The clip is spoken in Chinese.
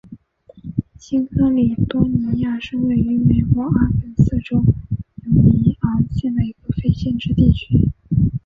新喀里多尼亚是位于美国阿肯色州犹尼昂县的一个非建制地区。